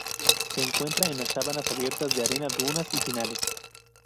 Se encuentra en la sabanas abiertas de arena, dunas y pinares.